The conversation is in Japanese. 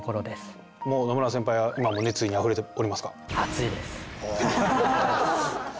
もう野村センパイは今も熱意にあふれておりますか？